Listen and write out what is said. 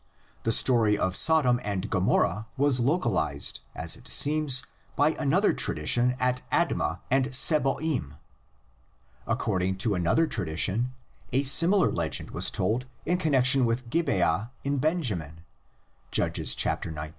The story of Sodom and Gomorrah was localised, as it seems, by another tradition at Adma and Sebo'im (cp. my Commen tary^ p. 195). According to another tradition a similar legend was told in connexion with Gibeah in Benjamin Qudges xix).